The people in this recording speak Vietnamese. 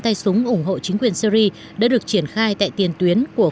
tay súng ủng hộ chính quyền syri đã được triển khai tại tiền tuyến của